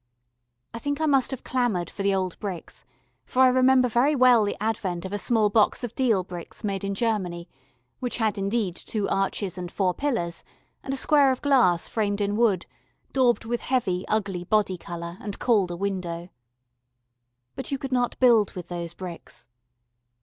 I think I must have clamoured for the old bricks, for I remember very well the advent of a small box of deal bricks made in Germany, which had indeed two arches and four pillars, and a square of glass framed in wood daubed with heavy, ugly body colour, and called a window. But you could not build with those bricks.